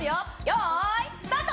よいスタート！